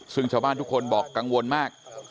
ซึ่งชาวบ้านทุกคนบอกกังวลมาก